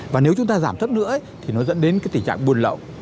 và nếu chúng ta giảm thấp nữa thì nó dẫn đến cái tình trạng buôn lậu